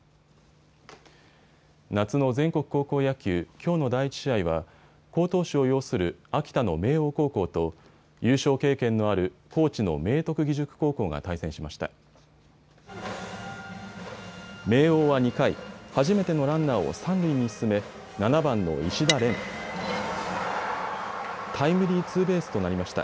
夏の全国高校野球、きょうの第１試合は好投手を擁する秋田の明桜高校と優勝経験のある高知の明徳義塾高校が対戦しました。